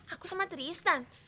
aku sama tristan